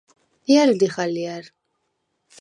ჲა̈რ ლიხ ალჲა̈რ?